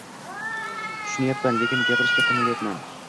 tushunayapman, lekin gapirishga qiynalayapman